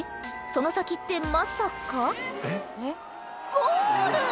その先ってまさかゴール！